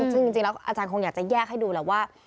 ซึ่งจริงแล้วอาจารย์คงอยากจะแยกให้ดูแหละว่า